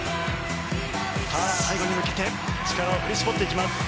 最後に向けて力を振り絞っていきます。